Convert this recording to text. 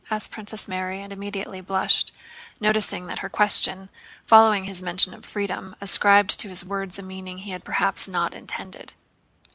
asked Princess Mary and immediately blushed, noticing that her question, following his mention of freedom, ascribed to his words a meaning he had perhaps not intended.